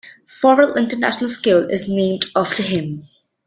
Forel International School is named after him.